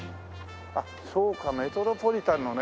そうかメトロポリタンのね。